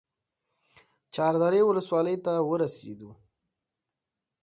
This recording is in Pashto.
چادرې ولسوالۍ ته ورسېدو.